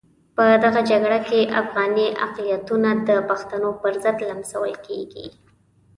په دغه جګړه کې افغاني اقلیتونه د پښتنو پرضد لمسول کېږي.